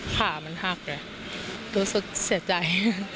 ขามันหักเลยรู้สึกเสียใจ